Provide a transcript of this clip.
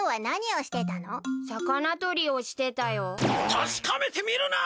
確かめてみるな！